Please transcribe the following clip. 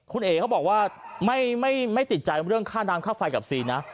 คุณเอ๋เขาบอกว่าไม่ติดใจเรื่องค่าน้ำค่าไฟกับซีนะ